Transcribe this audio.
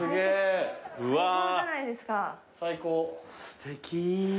すてきー。